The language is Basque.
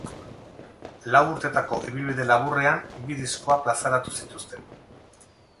Lau urtetako ibilbide laburrean bi diskoa plazaratu zituzten.